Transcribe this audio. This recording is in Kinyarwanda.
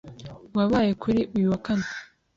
wabaye kuri uyu wa kane